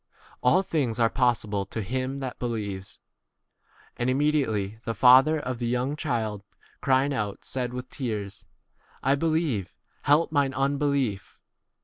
All things are possible to 24 him that believes. And immedi ately the father of the young child crying out said with tears, I 25 believe,P help mine unbelief.